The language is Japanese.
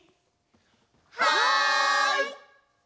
はい！